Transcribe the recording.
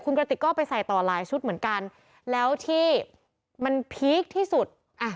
คุณกระติกก็ไปใส่ต่อหลายชุดเหมือนกันแล้วที่มันพีคที่สุดอ่ะ